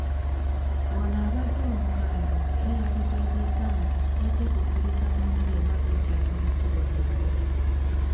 Ono abadde omukambwe era yategeezezza nti tajja kukkiriza muntu yenna kwekiika mu kkubo lyabwe.